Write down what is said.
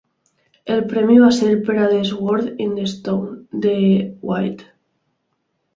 El premi va ser per a "The Sword in the Stone", de T. H. White.